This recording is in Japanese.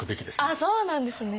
あっそうなんですね。